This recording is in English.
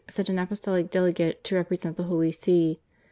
sent an Apostolic Delegate ta represent the Holy See.